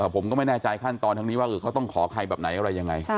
ผมก็ไม่แน่ใจขั้นตอนทางนี้ว่าเขาต้องขอใครแบบไหนอะไรยังไง